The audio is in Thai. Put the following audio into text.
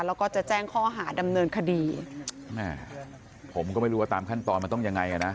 แล้วก็จะแจ้งข้อหาดำเนินคดีแม่ผมก็ไม่รู้ว่าตามขั้นตอนมันต้องยังไงอ่ะนะ